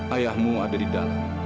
ayahmu ada di dalam